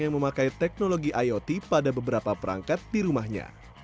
yang memakai teknologi iot pada beberapa perangkat di rumahnya